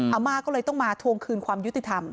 อาม่าก็เลยต้องมาทวงคืนความยุติธรรม